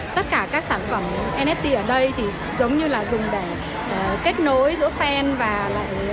tất cả các sản phẩm nft ở đây thì giống như là dùng để kết nối giữa fan và các hoa hậu